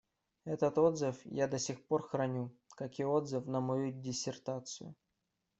Этот отзыв я до сих пор храню, как и отзыв на мою диссертацию.